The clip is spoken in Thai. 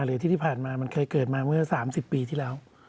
หรือที่ผ่านมามันเคยเกิดมาเมื่อ๓๐ปีที่แล้ว